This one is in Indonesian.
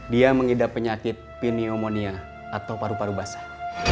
dia mengidap penyakit pneumonia atau paru paru basah